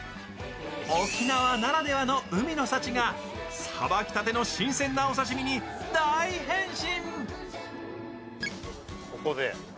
沖縄ならではの海の幸が、さばきたての新鮮なお刺身に大変身。